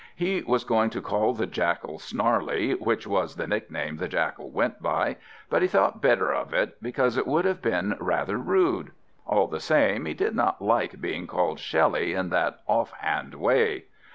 He was going to call the Jackal Snarly, which was the nickname the Jackal went by; but he thought better of it, because it would have been rather rude. All the same, he did not like being called Shelly in that offhand way.